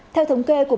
theo thống kê của